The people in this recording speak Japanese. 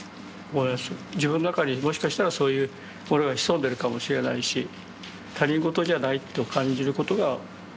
自分の中にもしかしたらそういうものが潜んでるかもしれないし他人事じゃないと感じることが。